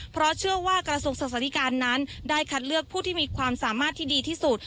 เพราะเชื่อว่ากระทรวงศึกษาธิการนั้นได้คัดเลือกผู้ที่มีความสามารถที่ดีที่สุด